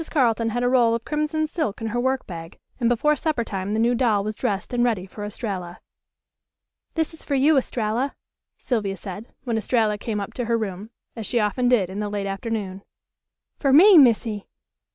Carleton had a roll of crimson silk in her work bag and before supper time the new doll was dressed and ready for Estralla. "This is for you, Estralla," Sylvia said, when Estralla came up to her room, as she often did in the late afternoon. "Fer me, Missy!